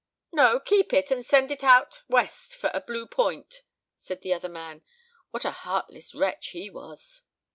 "No, keep it and send it out West for a Blue Point," said the other man, what a heartless wretch he was!